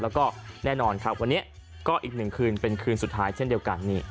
แล้วก็แน่นอนครับวันนี้ก็อีกหนึ่งคืนเป็นคืนสุดท้ายเช่นเดียวกัน